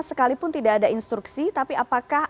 sekalipun tidak ada instruksi tapi apakah